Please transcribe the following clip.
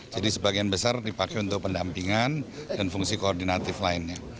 jadi sebagian besar dipakai untuk pendampingan dan fungsi koordinatif lainnya